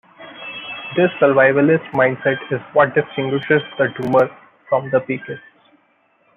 This survivalist mindset is what distinguishes the doomer from the peakist.